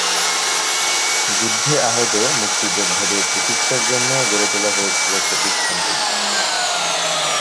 যুদ্ধে আহত মুক্তিযোদ্ধাদের চিকিৎসার জন্যে গড়ে তোলা হয়েছিল প্রতিষ্ঠানটি।